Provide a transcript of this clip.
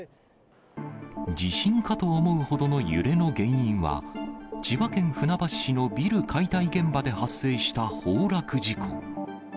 地震かと思うほどの揺れの原因は、千葉県船橋市のビル解体現場で発生した崩落事故。